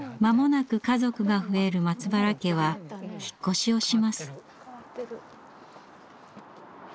間もなく家族が増える松原家は引っ越しをします。